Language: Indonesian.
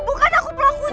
bukan aku pelakunya